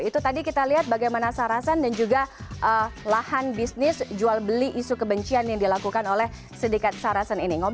itu tadi kita lihat bagaimana sarasan dan juga lahan bisnis jual beli isu kebencian yang dilakukan oleh sindikat sarasen ini